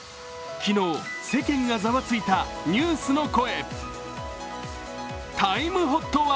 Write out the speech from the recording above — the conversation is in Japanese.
昨日、世間がざわついたニュースの声。